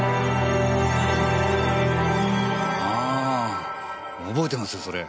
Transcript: あぁ覚えてますそれ。